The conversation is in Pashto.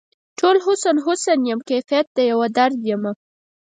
ټوله حسن ، حسن یم کیف د یوه درد یمه